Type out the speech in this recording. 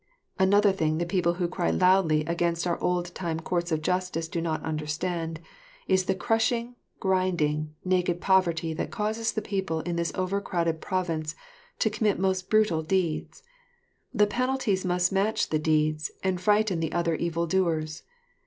Another thing the people who cry loudly against our old time Courts of Justice do not understand, is the crushing, grinding, naked poverty that causes the people in this over crowded province to commit most brutal deeds. The penalties must match the deeds, and frighten other evil doers.